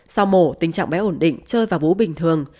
sau mổ tình trạng bé ổn định chơi vào bú bình thường